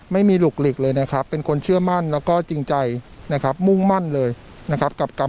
ไม่มีหลุกหลีกเลยนะครับเป็นคนเชื่อมั่นแล้วก็จริงใจนะครับ